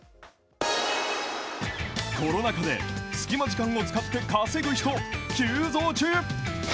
コロナ禍で、隙間時間を使って稼ぐ人、急増中。